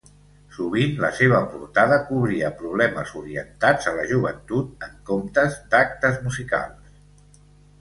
Sovint la seva portada cobria problemes orientats a la joventut en comptes d'actes musicals.